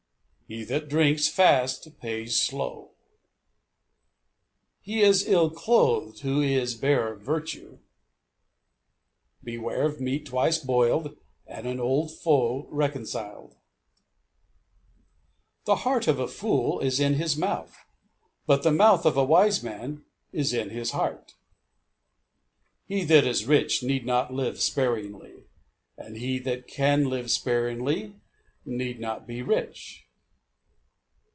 He that drinks fast pays slow. He is ill clothed who is bare of virtue. Beware of meat twice boil'd, and an old foe reconcil'd. The heart of a fool is in his mouth, but the mouth of a wise man is in his heart. He that is rich need not live sparingly, and he that can live sparingly need not be rich.